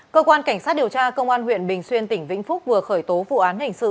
cơ quan cảnh sát điều tra công an huyện bình xuyên tỉnh vĩnh phúc vừa khởi tố vụ án hình sự